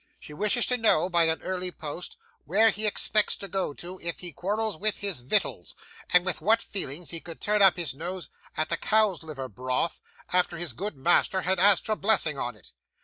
She wishes to know, by an early post, where he expects to go to, if he quarrels with his vittles; and with what feelings he could turn up his nose at the cow's liver broth, after his good master had asked a blessing on it.